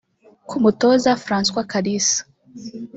Ku mutoza François Kalisa